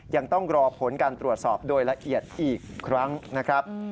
ยังต้องรอผลการตรวจสอบโดยละเอียดอีกครั้งนะครับ